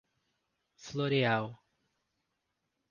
Floreal